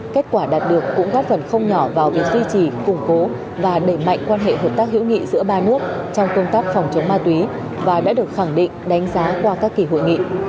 kết quả đạt được cũng góp phần không nhỏ vào việc duy trì củng cố và đẩy mạnh quan hệ hợp tác hữu nghị giữa ba nước trong công tác phòng chống ma túy và đã được khẳng định đánh giá qua các kỳ hội nghị